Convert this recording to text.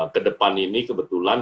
kedepan ini kebetulan